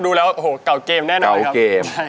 ดูแล้วโอ้โหเก่าเกมแน่นอนเก่าเกม